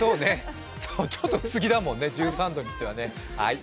ちょっと薄着だもんね、１３度にしてはね。